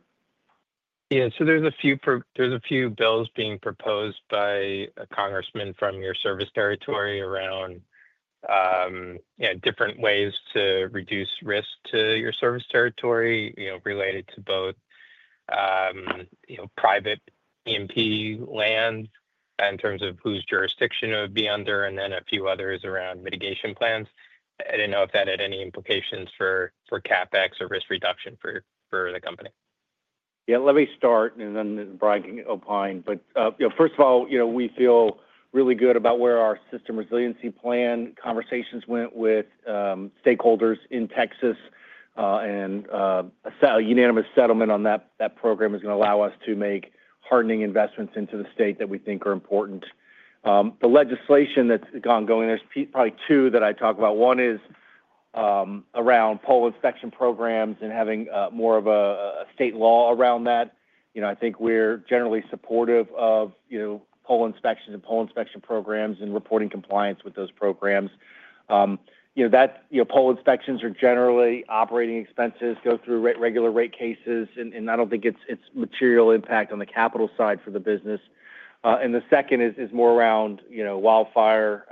Yeah. There are a few bills being proposed by a congressman from your service territory around, you know, different ways to reduce risk to your service territory, you know, related to both, you know, private E&P land in terms of whose jurisdiction it would be under, and then a few others around mitigation plans. I didn't know if that had any implications for CapEx or risk reduction for the company. Yeah. Let me start and then Brian can opine. You know, first of all, you know, we feel really good about where our System Resiliency Plan conversations went with stakeholders in Texas. A unanimous settlement on that program is going to allow us to make hardening investments into the state that we think are important. The legislation that is ongoing, there are probably two that I talk about. One is around pole inspection programs and having more of a state law around that. You know, I think we are generally supportive of, you know, pole inspections and pole inspection programs and reporting compliance with those programs. You know, pole inspections are generally operating expenses, go through regular rate cases. I do not think it is a material impact on the capital side for the business. The second is more around, you know, wildfire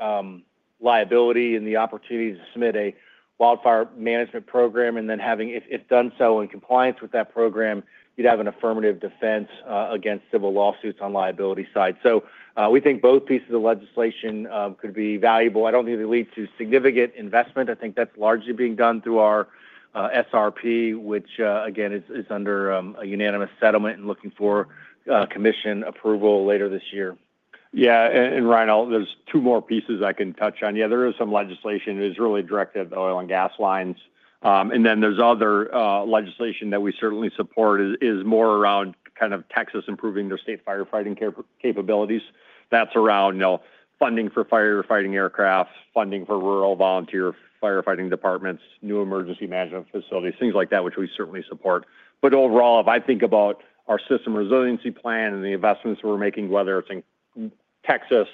liability and the opportunity to submit a wildfire management program. Then having, if done so in compliance with that program, you'd have an affirmative defense against civil lawsuits on the liability side. We think both pieces of legislation could be valuable. I don't think they lead to significant investment. I think that's largely being done through our SRP, which, again, is under a unanimous settlement and looking for commission approval later this year. Yeah. Ryan, there are two more pieces I can touch on. There is some legislation that is really directed at the oil and gas lines. Then there is other legislation that we certainly support that is more around kind of Texas improving their state firefighting capabilities. That's around, you know, funding for firefighting aircraft, funding for rural volunteer firefighting departments, new emergency management facilities, things like that, which we certainly support. Overall, if I think about our System Resiliency Plan and the investments we're making, whether it's in Texas,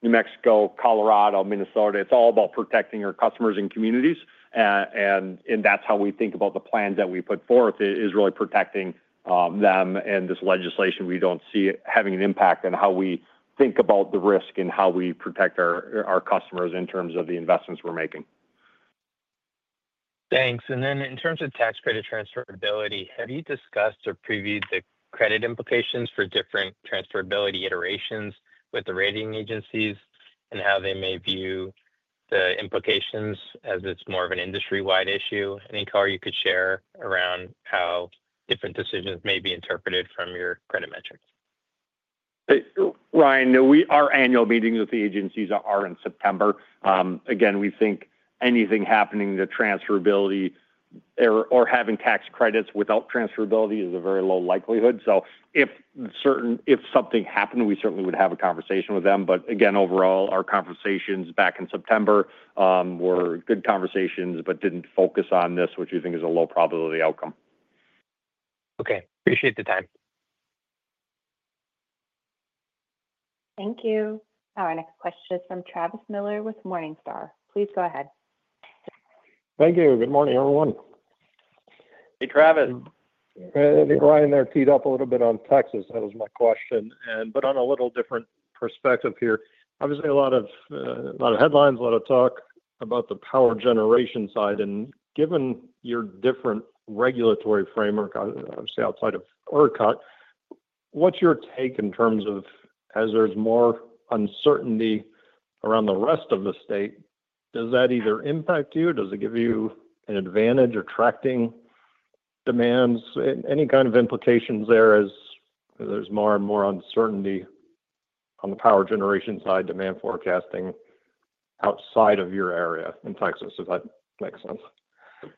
New Mexico, Colorado, Minnesota, it's all about protecting our customers and communities. That's how we think about the plans that we put forth is really protecting them. This legislation, we don't see having an impact on how we think about the risk and how we protect our customers in terms of the investments we're making. Thanks. In terms of tax credit transferability, have you discussed or previewed the credit implications for different transferability iterations with the rating agencies and how they may view the implications as it's more of an industry-wide issue? Any color you could share around how different decisions may be interpreted from your credit metrics? Ryan, our annual meetings with the agencies are in September. Again, we think anything happening to transferability or having tax credits without transferability is a very low likelihood. If something happened, we certainly would have a conversation with them. Again, overall, our conversations back in September were good conversations, but did not focus on this, which we think is a low probability outcome. Okay. Appreciate the time. Thank you. Our next question is from Travis Miller with Morningstar. Please go ahead. Thank you. Good morning, everyone. Hey, Travis. Ryan there teed up a little bit on Texas. That was my question. On a little different perspective here, obviously a lot of headlines, a lot of talk about the power generation side. Given your different regulatory framework, obviously outside of ERCOT, what's your take in terms of as there's more uncertainty around the rest of the state, does that either impact you? Does it give you an advantage attracting demands? Any kind of implications there as there's more and more uncertainty on the power generation side demand forecasting outside of your area in Texas, if that makes sense?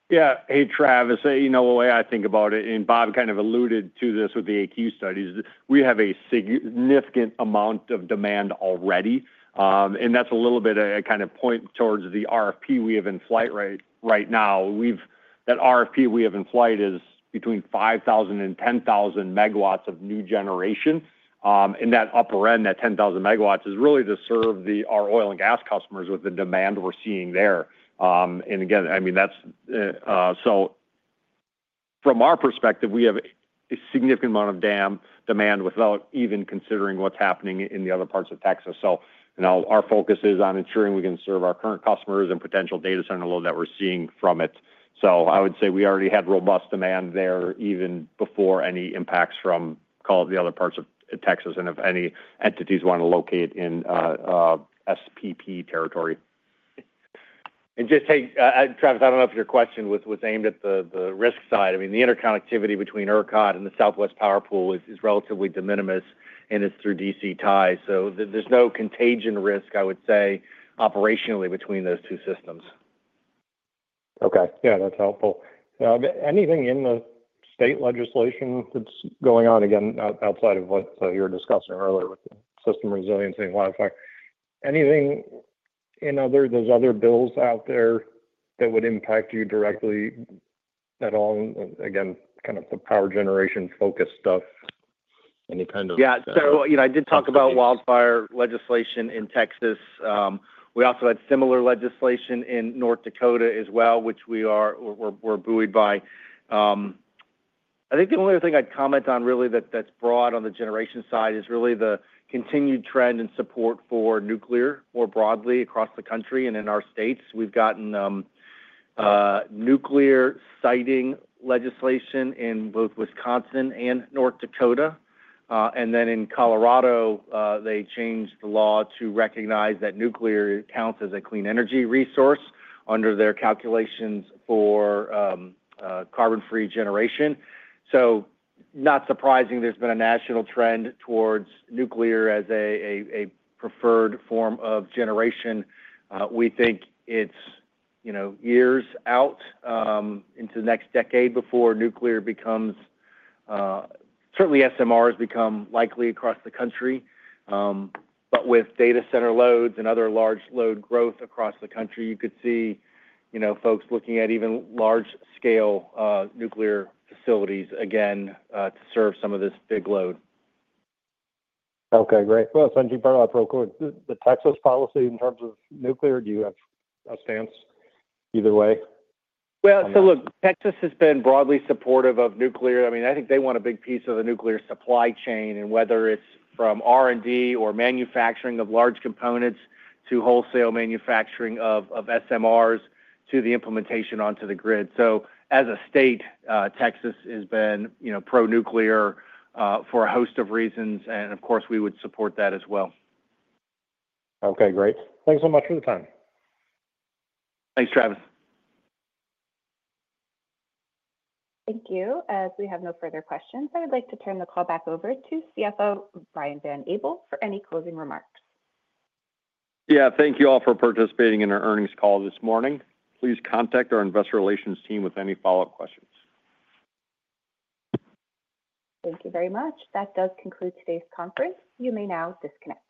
Yeah. Hey, Travis, you know the way I think about it, and Bob kind of alluded to this with the AQ studies, we have a significant amount of demand already. That is a little bit of a kind of point towards the RFP we have in flight right now. That RFP we have in flight is between 5,000 MW and 10,000 MW of new generation. That upper end, that 10,000 MW, is really to serve our oil and gas customers with the demand we are seeing there. I mean, from our perspective, we have a significant amount of demand without even considering what is happening in the other parts of Texas. You know, our focus is on ensuring we can serve our current customers and potential data center load that we are seeing from it. I would say we already had robust demand there even before any impacts from, call it, the other parts of Texas and if any entities want to locate in SPP territory. Just, hey, Travis, I don't know if your question was aimed at the risk side. I mean, the interconnectivity between ERCOT and the Southwest Power Pool is relatively de minimis and is through DC ties. There is no contagion risk, I would say, operationally between those two systems. Okay. Yeah, that's helpful. Anything in the state legislation that's going on again outside of what you were discussing earlier with the system resiliency and wildfire? Anything in other bills out there that would impact you directly at all? Again, kind of the power generation focus stuff, any kind of. Yeah. You know, I did talk about wildfire legislation in Texas. We also had similar legislation in North Dakota as well, which we are buoyed by. I think the only other thing I'd comment on really that's broad on the generation side is really the continued trend and support for nuclear more broadly across the country and in our states. We've gotten nuclear siting legislation in both Wisconsin and North Dakota. In Colorado, they changed the law to recognize that nuclear counts as a clean energy resource under their calculations for carbon-free generation. Not surprising, there's been a national trend towards nuclear as a preferred form of generation. We think it's, you know, years out into the next decade before nuclear becomes, certainly SMRs become, likely across the country. With data center loads and other large load growth across the country, you could see, you know, folks looking at even large-scale nuclear facilities again to serve some of this big load. Okay. Great. [inaudible] the Texas policy in terms of nuclear. Do you have a stance either way? Texas has been broadly supportive of nuclear. I mean, I think they want a big piece of the nuclear supply chain and whether it's from R&D or manufacturing of large components to wholesale manufacturing of SMRs to the implementation onto the grid. As a state, Texas has been, you know, pro-nuclear for a host of reasons. Of course, we would support that as well. Okay. Great. Thanks so much for the time. Thanks, Travis. Thank you. As we have no further questions, I would like to turn the call back over to CFO Brian Van Abel for any closing remarks. Yeah. Thank you all for participating in our earnings call this morning. Please contact our investor relations team with any follow-up questions. Thank you very much. That does conclude today's conference. You may now disconnect.